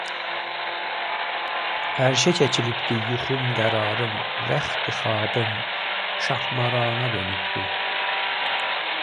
Ərşə çəkilibdi yuxum, qərarım, Rəxti-xabım şahmarana dönübdü.